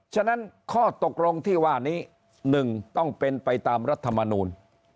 ฉะนั้นข้อตกลงที่ว่านี้๑ต้องเป็นไปตามรัฐมนูล